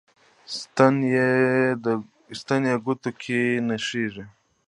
ستن یې ګوتو کې نڅیږي